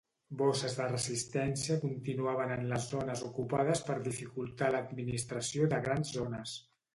Bosses de resistència continuaven en les zones ocupades per dificultar l'administració de grans zones.